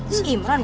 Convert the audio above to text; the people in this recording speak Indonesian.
oh si imran